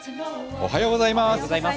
おはようございます。